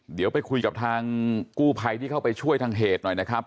เดี๋ยวไปคุยกับทางกู้ภัยที่เข้าไปช่วยทางเหตุหน่อยนะครับ